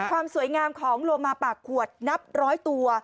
ความสวยงามของโลมาปากขวดนับร้อยตัว